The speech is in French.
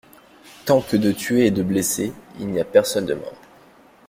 Tant que de tués et de blessés, il n'y a personne de mort.